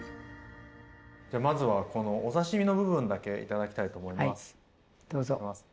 まずはこのお刺身の部分だけ頂きたいと思います。